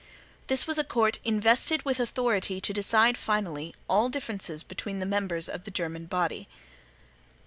This was a court invested with authority to decide finally all differences among the members of the Germanic body.